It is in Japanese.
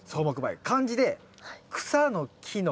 漢字で草の木の灰。